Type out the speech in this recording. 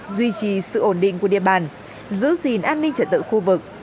duy trì sự ổn định của địa bàn giữ gìn an ninh trật tự khu vực